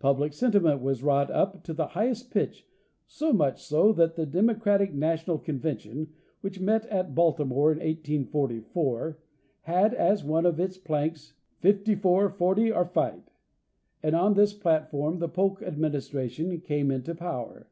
Public senti ment was wrought up to the highest pitch, so much so that the democratic national convention which met at Baltimore in 1344 had, as one of its planks, " Fifty four forty or fight," and on this platform the Polk administration came into power.